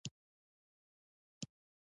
د کور دروازې هینج چرچره کوله.